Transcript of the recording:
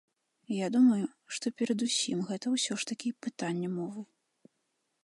Я думаю, што перадусім гэта ўсё ж такі пытанне мовы.